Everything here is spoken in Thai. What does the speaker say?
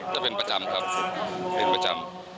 จะเป็นประจำครับเป็นประจำ